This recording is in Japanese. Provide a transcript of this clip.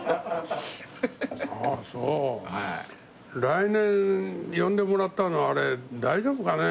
来年呼んでもらったのあれ大丈夫かね？